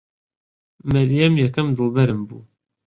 مەریەم یەکەم دڵبەرم بوو.